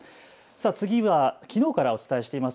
きのうからお伝えしています